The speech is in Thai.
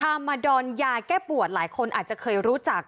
มาดอนยาแก้ปวดหลายคนอาจจะเคยรู้จัก